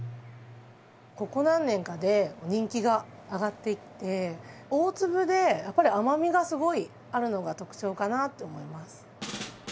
ここ何年かで人気が上がっていって大粒でやっぱり甘みがすごいあるのが特徴かなって思います。